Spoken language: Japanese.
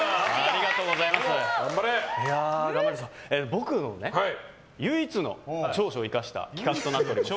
僕の唯一の長所を生かした企画となっております。